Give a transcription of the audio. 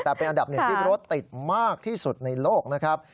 แต่เป็นอันดับหนึ่งที่รถติดมากที่สุดในโลกนะครับ